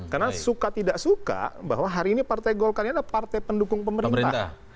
karena suka tidak suka bahwa hari ini partai golkar ini adalah partai pendukung pemerintah